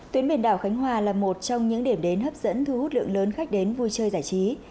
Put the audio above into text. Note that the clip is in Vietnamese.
tuyến biển đảo khánh hòa là một trong những điểm đến hấp dẫn thu hút lượng lớn khách đến vui chơi giải trí